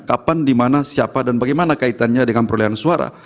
kapan dimana siapa dan bagaimana kaitannya dengan perolehan suara